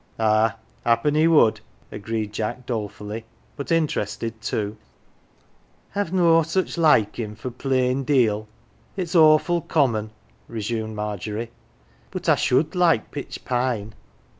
" Ah, happen he would," agreed Jack dolefully, but interested too. " I've no such likin' for plain deal ; it's awful com mon," resumed Margery ;" but I should like pitch pine.